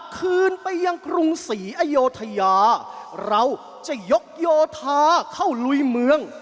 คืนไปยังกรุงศรีอยุธยาเราจะยกโยธาเข้าลุยเมือง